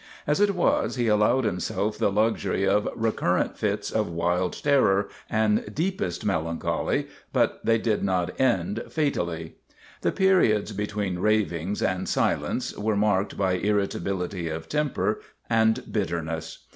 As it was, he al lowed himself the luxury of recurrent fits of wild terror and deepest melancholy, but they did not end fatally. The periods between ravings and silence were marked by irritability of temper and bitterness.